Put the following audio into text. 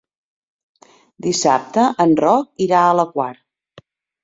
Dissabte en Roc irà a la Quar.